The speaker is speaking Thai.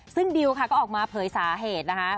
ซึ่งดิวค่ะก็ออกมาเผยสาเหตุนะคะ